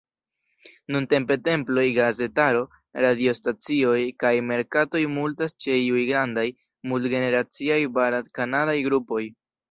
Nuntempe temploj, gazetaro, radiostacioj, kaj merkatoj multas ĉe iuj grandaj, mult-generaciaj barat-kanadaj grupoj.